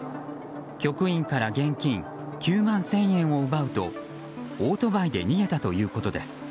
局員から現金９万１０００円を奪うとオートバイで逃げたということです。